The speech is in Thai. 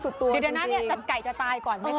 เดี๋ยวนะเนี่ยไก่จะตายก่อนไหมคะ